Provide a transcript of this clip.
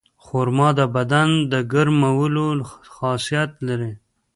خرما د بدن د ګرمولو خاصیت لري.